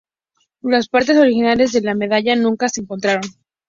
Las partes originales de la medalla nunca se encontraron.